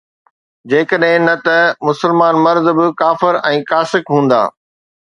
جيڪڏهن نه ته مسلمان مرد به ڪافر ۽ فاسق آهن